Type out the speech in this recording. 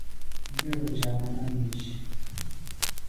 بِیڈوۡ جانانہ میِش۔